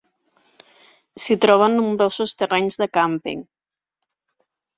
S'hi troben nombrosos terrenys de càmping.